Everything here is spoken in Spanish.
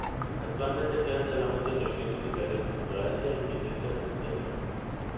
Actualmente quedan solamente trescientos italianos en Croacia y quinientos en Montenegro.